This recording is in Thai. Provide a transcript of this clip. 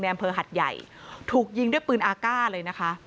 อำเภอหัดใหญ่ถูกยิงด้วยปืนอาก้าเลยนะคะ